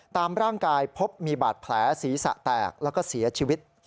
ตามร่างกายพบมีบาดแผลศีรษะแตกแล้วก็เสียชีวิต